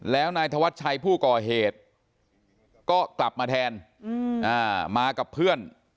แล้วนายธวัชชัยผู้ก่อเหตุก็กลับมาแทนมากับเพื่อน